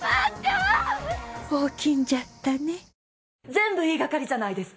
全部言いがかりじゃないですか。